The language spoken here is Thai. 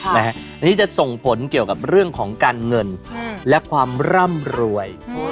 อันนี้จะส่งผลเกี่ยวกับเรื่องของการเงินและความร่ำรวย